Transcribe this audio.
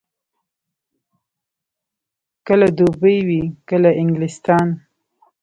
کله دوبۍ وي، کله انګلستان.